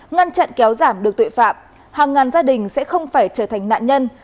ngăn chặn kéo giảm được tội phạm hàng ngàn gia đình sẽ không phải trở thành nạn nhân